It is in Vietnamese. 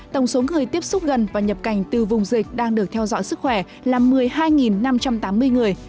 tổng số người tiếp xúc gần và nhập cảnh từ vùng dịch đang được theo dõi sức khỏe là một mươi hai năm trăm tám mươi người